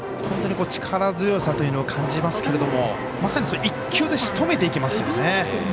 本当に力強さというのを感じますけれどもまさに１球でしとめていきますよね。